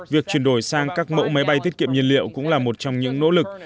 việc chuyển đổi sang các mẫu máy bay tiết kiệm nhiên liệu cũng là một trong những nỗ lực